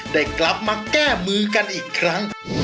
ได้กลับมาแก้มือกันอีกครั้ง